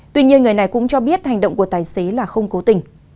tuy nhiên người này cũng cho biết hành động của tài xế là không cố tình